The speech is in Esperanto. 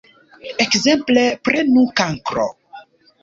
Ekzemple, prenu Kankro.